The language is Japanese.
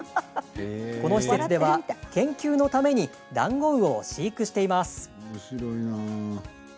この施設では、研究のためにダンゴウオを飼育しています。